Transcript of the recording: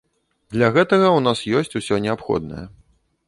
Для гэтага ў нас ёсць усё неабходнае.